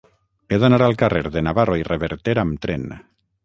He d'anar al carrer de Navarro i Reverter amb tren.